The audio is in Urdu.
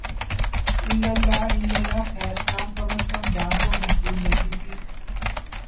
اللہ اللہ خیر سلا کم از کم جان تو محفوظ رہتی تھی۔